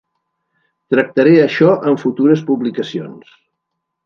Tractaré això en futures publicacions!